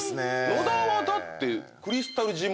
野田はだって。